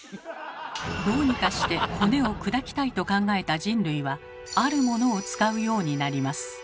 どうにかして骨を砕きたいと考えた人類はあるものを使うようになります。